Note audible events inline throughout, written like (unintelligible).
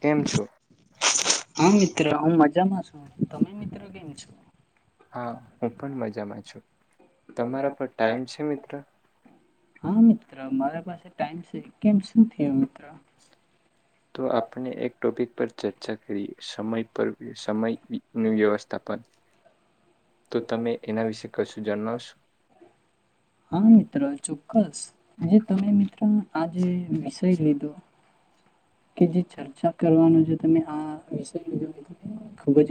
કેમ છો. હા મિત્ર હું મજામાં છું તમે મિત્રો કેમ છો હા મિત્ર મારા પાસે ટાઈમ છે કેમ શું થું મિત્ર. તો આપણે એક ટોપિક પર ચર્ચા કરી સમય પર સમય નું વ્યવસ્થાપન તો તમે એના વિશે કશું, જણાવશો હા મિત્ર ચોક્કસ જે તમે મિત્રો આજે વિષય લીધો કે જે ચર્ચા કરવાનું છે, તમે આ ખુબ જ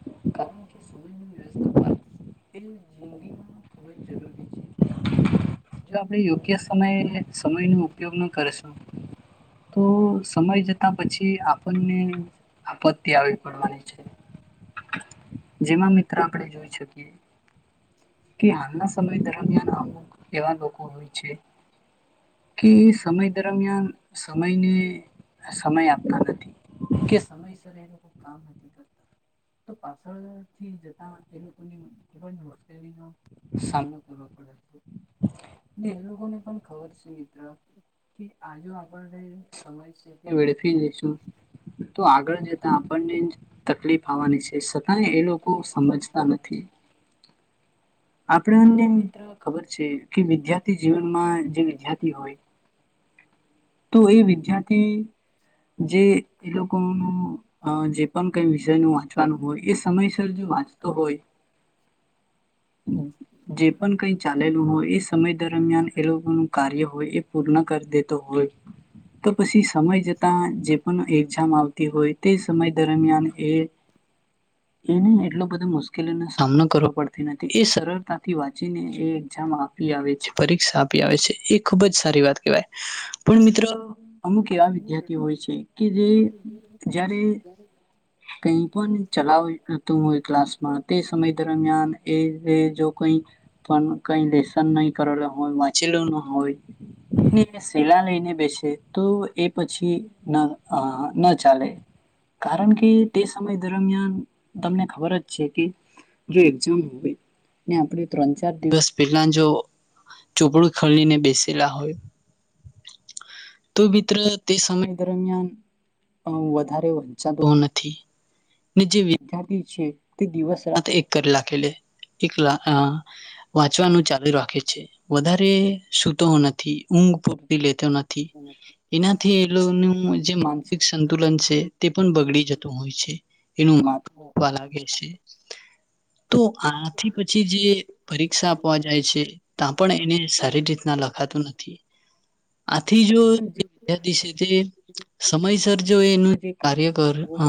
(unintelligible) (unintelligible) જો આપણે યોગ્ય સમયે સમય નો ઉપયોગ ન કરશું, તો સમય જતા પછી આપણને આપત્તિ આવી પડવાની છે. જેમાં મિત્ર આપણે જોઈ શકીએ, કે હાલના સમય દરમિયાન અમુક એવા લોકો હોય છે, કે સમય દરમિયાન સમયને સમય આપતા નથી, કે સમય (unintelligible) તો પાછળથી જતા એ કો સામને પૂર્વા પ રાું એ લોકોને પણ ખબર છે મિત્ર કે આજ આપણને સમય છે, (unintelligible) (unintelligible) તો આગળ જતા આપણને તકલીફ આવવાની છે. ખાલી એ લોકો સમજતા નથી, આપણેને મિત્ર ખબર છે, કે વિદ્યાર્થી જીવનમાં જે વિદ્યાર્થી હોય તો એ વિદ્યાર્થી જે એ લોકોનું જે પણ કઈ વિષયનું વાંચવાનું હોય, એ સમયસર જો વાંચતો હોય, જે પણ કઈ ચાલેલું હોય, એ સમય દરમિયાન એ લોકો ન કાર્ય હોય એ પૂર્ણ કરી દેતો હોય, તો પછી સમય જતા જે પણ એક્ઝામ આવતી હોય, તે સમય દરમિયાન એ એ ન એટલો બધો મુશ્કેલ નો સામનો કરવોપડ નથી, એ સરળતાથી વાંચીને એ એક્ઝામ આપી આવે છે, પરીક્ષા આપી આવે છે. એ ખૂબ જ સારી વાત કહેવાય, પણ મિત્રો અમુક એવા વિદ્યાર્થી હોય છે, કે જે જ્યારે કઈ પણ ચલાવતું હો ક્લાસમાં તે સમય દરમિયાન એ જો કોઈ પણ કઈ લેસન નહી હોય વાંચેલોું ના હોય, સેલા લઈને બેસે તો એ પછી, ના, હા ના ચાલે. કારણ કે એ સમય દરમિયાન તમને ખબર જ છે કે જો એક્ઝામ હોય ને આપણે ત્રણ ચાર દિવસ પહેલા જો ચોપડું ખણીને બેસેલા હોય. તો મિત્ર તે સમય દરમિયાન પણ વધારે વંચત જે વિદ્યાર્થી છે તે દિવસ રાત એક કર લાખેલી એકલા હા વાંચવાનું ચાલુ રાખે છે વધારે સુૂતો નથી ઊંઘ પ લેતો નથી એનાથી એ લોકોનું જે માનસિક સંતુલન છે તે પણ બગડી જત હોય છે એવા લાગવા લાગે છે તો આથી પછી જે પરીક્ષા આપવા જાય છે ત્યાં પણ એને સારી રીતના લખાતું નથી. આથી જો જે વિદ્યાર્થી શે તે સમયસર જો એનું જે કાર્ય કર અ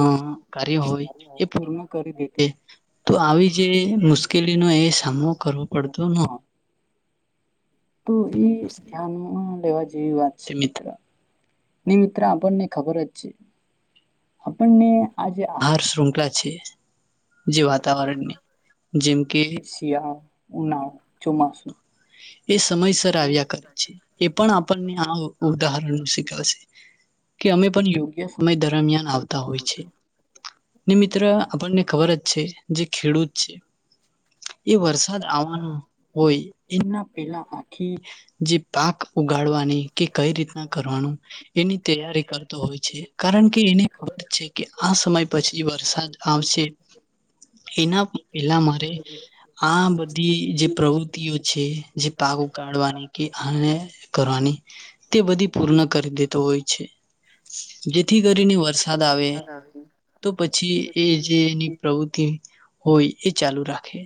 કાર્ય હોય એ પૂર્ણ કરી દેતે તો આવી જે મુશ્કેલીનો એ સામનો કરવો પડતો ન હોય. તો એ ધ્યાનમાં લેવા જેવી વાત સે મિત્ર. નહી મિત્ર આપણને ખબર જ છે. આપણને આજે આર શો ગાચી. જે વાતાવરણની જેમ કે શિયા ઉનાવ ચોમાસું ઇસ સમયસર આવ્યા કરે છે એ પણ આપણને આ ઉદાહરણ શે કે અમે પણ યોગ્ય હમય દરમિયાન આવતા હોય છે ને મિત્ર આપણને ખબર જ છે જે ખેડૂત છે એ વરસાદ આવવાનો હોય એના પેલા જે પાક ઉગાડવાની કે કઈ રીતના કરવાનું એની તૈયારી કરતો હોય છે. કારણ કે એને ખબર છે કે આ સમય પછી વરસાદ આવશે એના પહેલા મારે આ બધી જે પ્રવૃતિઓ છે જે પાક કરવાની કે હવે કરવાની તે બધી પૂર્ણ દિત હોય છે. જેથી કરીને વરસાદ આવે તો પછી એ જે એની પ્રવૃત્તિ હોય એ ચાલુ રાખે.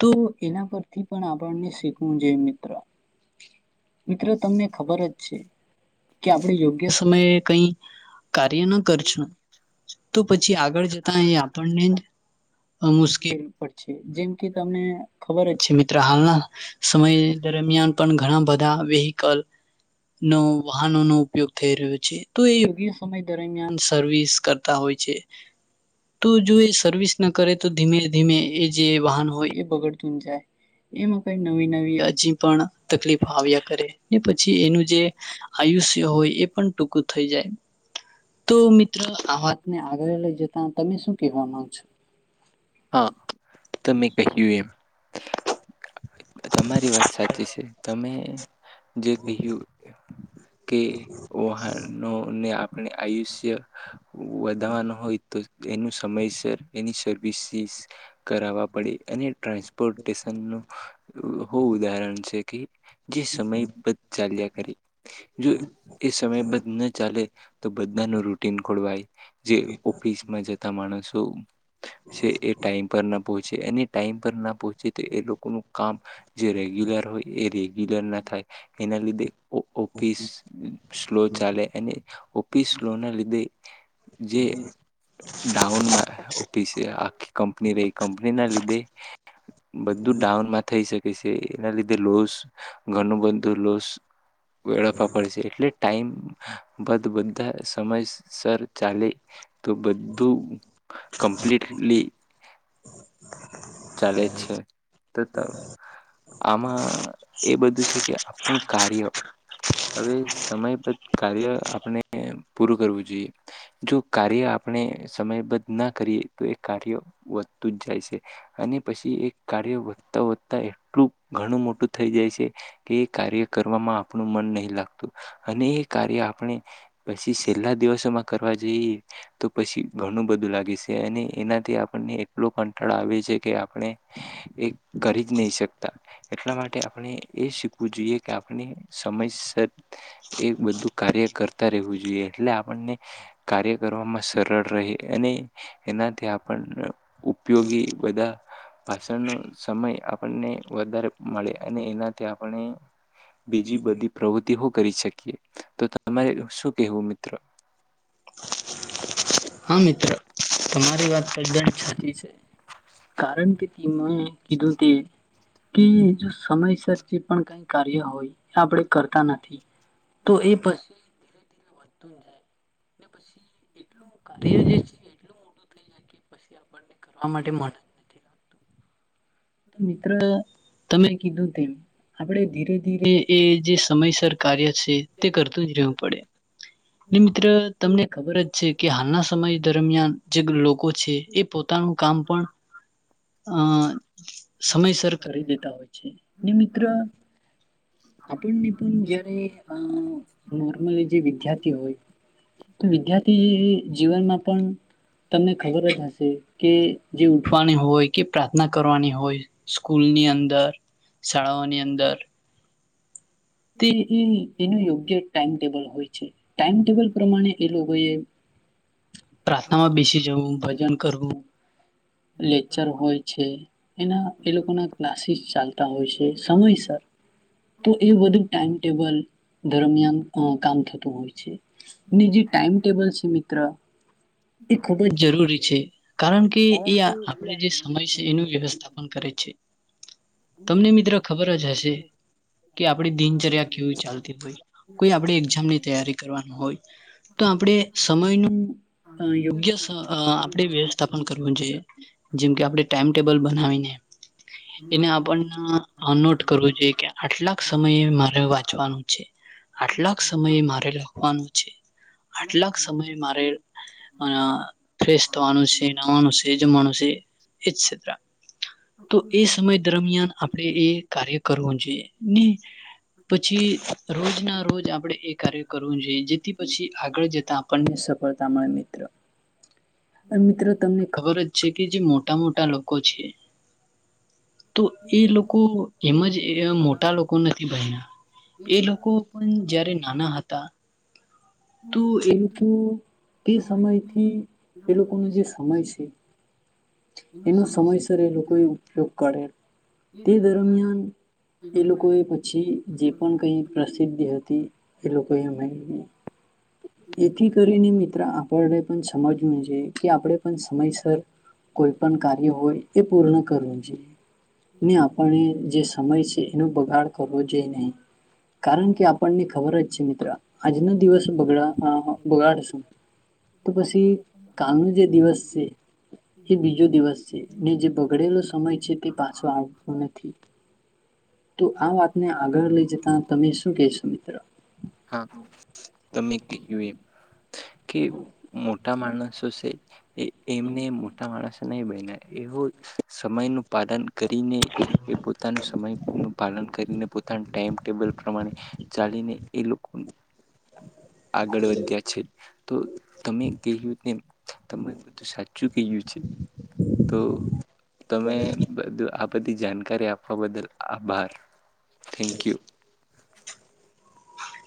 તો એના પરથી પણ આપણને શીખવું જોઈ મિત્ર મિત્ર તમને ખબર જ છે કે આપણે યોગ્ય સમયે કઈ કાર્ય ન કરશ તો પછી આગળ જતા એ આપણને જ મુશ્કેલ પડશે જેમ કે તમને ખબર જ છે મિત્ર હાલના સમય દરમિયાન પણ ઘણા બધા વહીકલ નો વાહનો નો ઉપયોગ થઈ રહ્યો છે તો એ યોગ્ય સમય દરમિયાન સર્વિસ કરતા હોય છે તો જો એ સર્વિસ ના કરે તો ધીમે ધીમે એ જે વાહન હોય એ બગડ તુ જાય એમાં કઈ નવી નવી હજી પણ તકલીફો આવ્યા કરે પછી એનું જે આયુષ્ય હોય એ પણ ટૂંકું થઈ જાય તો મિત્ર આ વાતને આગળ લઈ જતા તમે શું કહેવા માંગ છો કહી્યું એમ તમારી વાત સાચી છે તમે જે કહ્યું કે વહનોને આપ અને આયુષ્ય વધા વાના હોય તો એનું સમયસર એની સર્વિસિસ કરાવવા પડે અને ટ્રાન્સપોર્ટેશનનું (inaudible) હો ઉદાહરણ છે કે જે સમયબદ્ધ ચાલ્યા કરે જો એ સમયબદ્ધ ન ચાલે તો બધાનું રૂટીન ખોળવાય જે ઓફિસમાં જતા માણસો એ ટાઈમ પર ના પહોંચે અને ટાઈમ પર ન પહોંચે તો એ લોકો નુ કામ જે રેગ્યુલર હોય એ ગલ ના થાય એના લીધે ઓપીસ સ્લો ચાલે અને ઓપીસ સ્લો ના લીધે જે ડાઉન ઓપીસ આખી કંપની ર કંપની ના લીધે બધું ડાઉનમાં થઈ શકે એના લીધે લોસ ગણું બંધું લોસ વળફવા પડશે એટલે ટાઈમ બાદ બધા સમયસર ચાલે તો બધું કમ્પ્લીટલી ચાલે છે તો ત આમાં એ બધું છે કે આપણ કાર્ય હવે સમયબધ કાર્ય આપણે પૂરું કરવું જોઈએ જો કાર્ય આપણે સમયબદધ ના કરીએ તો એ કાર્ય વધતું જ જાય છે અને પછી એ કાર્ય વધતાં વધતાં એટલું ઘણું મોટું થઈ જાય છે કે એ કાર્ય કરવામાં આપણું મન નહીં લાગતું અને એ કાર્ય આપણે પછી છેલ્લા દિવસોમાં કરવા જઈએ તો પછી ઘણું બધું લાગે છે અને એનાથી આપણને એટલો કંટાળો આવે છે કે આપણે એ કરી જ નહીં શકતા એટલા માટે આપણે એ શીખવું જોઈએ કે આપણે સમયસર એ બધું કાર્ય કરતા રહેવું જોઈએ એટલે આપણને કાર્ય કરવામાં સરળ રહે અને એનાથી આપણ ઉપયોગી બધા ભાષણનો સમય આપણને વધારે મળે અને એનાથી આપણે બીજી બધી પ્રવૃત્તિઓ કરી શકીએ તો તમારે શું કેહેવું મિત્રો હા મિત્રો તમારી વાત કદ સાચી છે કારણ કે મેં કીધું તે કે જો સમયસર જે પણ કઈ કાર્ય હોય આપણે કરતા નથી તો એ પછી ધીરે ધીરે વધતું જાય ને પછી એટલું કાર્ય જે છે એટલું મોટું થઈ જાય પછી આપને કરવા માટે મન અજ નથી તો મિત્ર તમે કીધું તેમ આપણે ધીરે ધીરે એ જે સમયસર કાર્ય છે તે કરતું જ રહેવું પડે મિત્ર તમને ખબર જ છે કે હાલના સમય દરમિયાન જે લોકો છે એ પોતે પોતાનું કામ પણ હ હ સમયસર કરી દેતા હોય છે. નિ મિત્ર આપણ પણ જ્યારે અ નોર્મલ જે વિદ્યાર્થી હોય તો વિદ્યાર્થી જીવનમાં પણ તમને ખબર જ હશે કે જે ઉઠવાની હોય કે પ્રા કરવાની હોય સ્કૂલની અંદર શાળાઓની અંદર તે એ એનું યોગ્ય ટાઈમટેબલ હોય છે ટાઈમટેબલ પ્રમાણે એ લોકો એ પ્રાર્થનામાં બેસી જવું ભજન કરવું, લેક્ચર હોય છે, એના એ લોકો ના ક્લાસીસ ચાલતા હોય છે, સમયસર તો એ બધું ટાઈમ ટેબલ દરમિયાન અ ત્યા કામ થતું હોય છે. ને જે ટાઈઇમ ટેબલ છે મિત્ર એ ખૂબ જ જરૂરી છે. કારણ કે એ આપણે જે સમય છે એનું વ્યવસ્થાપન કરે છે તમને મિત્ર ખબર જ હશે કે આપણે દિન ચાલતી હોય કોઈ આપણે એક્ઝામ ની તૈયારી કરવા નું હોય તો આપણે સમય નુ યોગ્ય આપણે થાપન કરવું જોઈએ જેમકે આપણે ટાઈમટેબલ બનાવીને એને આપણ નોટ કરવું જોઈએ કે આટલાક સમયે માર હવે વાંચવાનું છે. આટલાક સમયે મારે લખવાનું છે. આટલાક સમય મારે અ ફ્રેશ થવાનું છે નવાનું છે જમવાનું છે તે એ છેષ તો એ સમય દરમિયાન આપણેે એ કાર્ય કરવું જોઈએ. ને પછી રોજ ના રોજ આપણેે એ કાર્ય કરવું જોઈએ જેથી પછી આગળ જતા આપણને સફળતા મળે મિત્ર મિત્રો તમને ખબર જ છે કે જે મોટા મોટા લોકો છે. તો એ લોકો એમ જ મોટા લોકો નથી ભયના એ લોકો પણ જયારે નાના હતા તો એ લોકો તે સમયથી એ લોકોનો જે સમય છે એનો સમયસર એ લોકો એ ઉપયોગ કરે. તે દરમિયાન એ લોકો એ પછી એ પણ કઈ પ્રસિદ્ધિ હ તી એ લોકો એમ એથી કરીને મિત્ર આપને સમજવું જોઈએ કે આપણે પણ સમયસર કોઈ પણ કાર્ય હોય એ પૂર્ણ કરવું જોઈએ. ને આપને જે સમય છે એનો બગાડ કરવો કે નહી. કારણ કે આપણને ખબર જ (unintelligible) આજનો દિવસ બગડા બગાડશું તો પછી કાલનો જે દિવસ છે એ બીજો દિવસ છે ને જે બગડેલો સમય છે તે પાછો આવતો નથી તો આ વાત આગળ લઈ જતા તમે શું કેશો મિત્ર? હા, તમે (unintelligible) કે મોટા માણસો છે એ એમનેમ મોટા માણસ નહી બઈના એવું સમય નું પાલન કરીને એ પોતાનો સમય પાલન કરીને પોતા ટાઈમ ટેબલ પ્રમાણે ચાલીને એ લો (inaudible) આગળ વધ્યા છે. તો તમે કેહ્યું તેમ તમે બધું સાચું કીયું છે. તો તમે બધું આ બધી જાણકારી આપવા બદલ આભાર. Thank you.